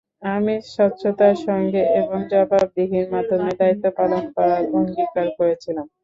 আমি স্বচ্ছতার সঙ্গে এবং জবাবদিহির মাধ্যমে দায়িত্ব পালন করার অঙ্গীকার করেছিলাম।